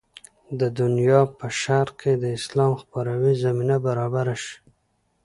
د دنیا په شرق کې د اسلام خپراوي زمینه برابره شي.